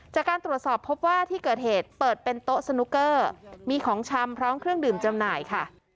จากการตรวจสอบพบว่าที่เกิดเหตุเปิดเป็นโต๊ะสนุกเกอร์มีของชำพร้อมเครื่องดื่มจำหน่ายค่ะ